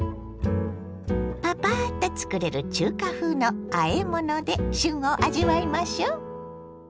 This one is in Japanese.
パパッと作れる中華風のあえもので旬を味わいましょう。